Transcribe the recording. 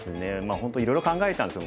本当いろいろ考えたんですよ。